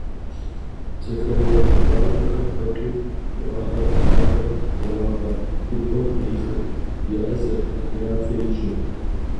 Зэхэуэ гуащӀэхэм хэту, уӀэгъэ хъуахэр зэуапӀэ губгъуэм кърихырт, еӀэзэрт, операцэ ищӀырт…